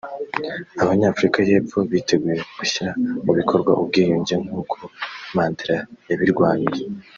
Abanyafurika y’Epfo biteguye gushyira mu bikorwa ubwiyunge nk’uko Mandela yabirwaniye